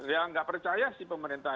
ya nggak percaya sih pemerintah